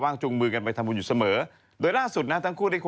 จะตังงานใช่มะจะจักรองแล้ว